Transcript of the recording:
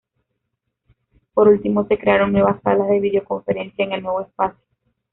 Por último, se crearon nuevas salas de videoconferencia en el nuevo espacio.